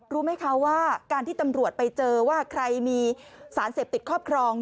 รู้ไหมคะว่าการที่ตำรวจไปเจอว่าใครมีสารเสพติดครอบครอง